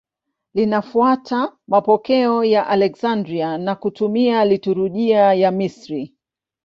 Linafuata mapokeo ya Aleksandria na kutumia liturujia ya Misri.